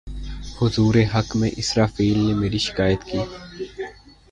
حضور حق میں اسرافیل نے میری شکایت کی